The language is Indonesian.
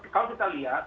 kalau kita lihat